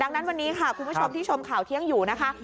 ดังนั้นวันนี้ค่ะคุณผู้ชมที่ชมข่าวเที่ยงอยู่นะคะ